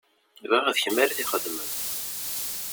Bɣiɣ d kemm ara t-ixedmen.